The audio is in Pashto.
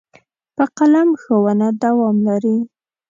په قلم ښوونه دوام لري.